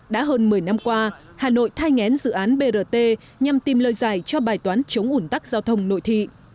đã hơn một mươi năm qua hà nội thay ngén dự án brt nhằm tìm lời giải cho bài toán chống ủn tắc giao thông nội thị